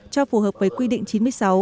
cho phù hợp với quy định chín mươi sáu